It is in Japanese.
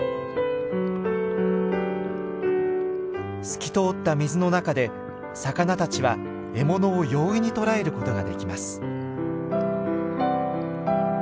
透き通った水の中で魚たちは獲物を容易に捕らえることができます。